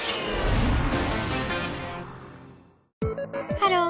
ハロー！